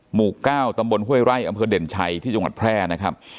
หมู่๙ตำบลห้วยไร่อำเภอเด่นชัยที่จังหวัดแพร่นะครับ